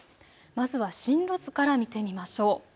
まずは進路図から見てみましょう。